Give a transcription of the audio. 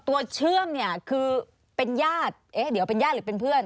เชื่อมเนี่ยคือเป็นญาติเอ๊ะเดี๋ยวเป็นญาติหรือเป็นเพื่อน